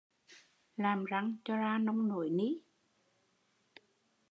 Làm răng cho ra nông nổi ni